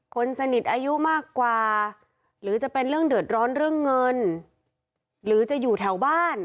คนสนิทอายุมากกว่าหรือจะเป็นเรื่องเดือดร้อนเรื่องเงินหรือจะอยู่แถวบ้าน